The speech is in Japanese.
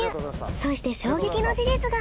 そして衝撃の事実が。